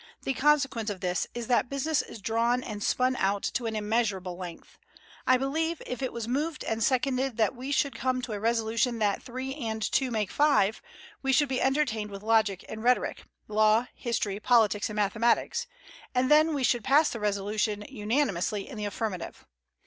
The consequence of this is that business is drawn and spun out to an immeasurable length. I believe, if it was moved and seconded that we should come to a resolution that three and two make five, we should be entertained with logic and rhetoric, law, history, politics, and mathematics; and then we should pass the resolution unanimously in the affirmative.